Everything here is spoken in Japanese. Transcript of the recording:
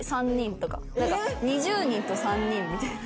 ２０人と３人みたいな。